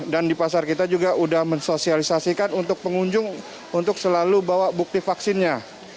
dan di pasar kita juga sudah mensosialisasikan untuk pengunjung untuk selalu bawa bukti vaksinnya